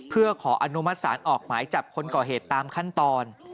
เพื่อขออนุมัติศาลออกหมายจับคนก่อเหตุตามขั้นตอน